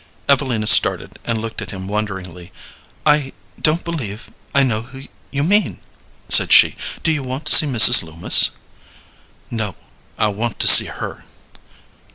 Evelina started, and looked at him wonderingly. "I don't believe I know who you mean," said she. "Do you want to see Mrs. Loomis?" "No; I want to see her."